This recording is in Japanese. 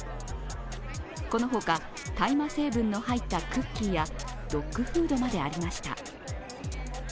この他、大麻成分の入ったクッキーやドッグフードまでありました。